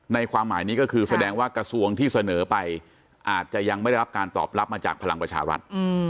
ความหมายนี้ก็คือแสดงว่ากระทรวงที่เสนอไปอาจจะยังไม่ได้รับการตอบรับมาจากพลังประชารัฐ